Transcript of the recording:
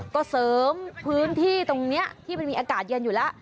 ก็เสริมพื้นที่ตรงนี้ที่มันมีอากาศเย็นอยู่แล้ว